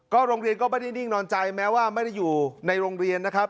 โรงเรียนก็ไม่ได้นิ่งนอนใจแม้ว่าไม่ได้อยู่ในโรงเรียนนะครับ